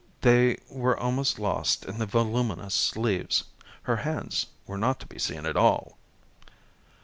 They were almost lost in the voluminous sleeves. Her hands were not to be seen at all.